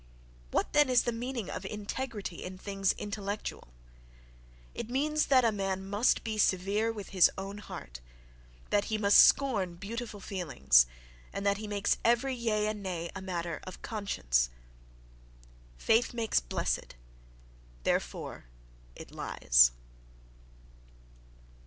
—What, then, is the meaning of integrity in things intellectual? It means that a man must be severe with his own heart, that he must scorn "beautiful feelings," and that he makes every Yea and Nay a matter of conscience!—Faith makes blessed: therefore, it lies....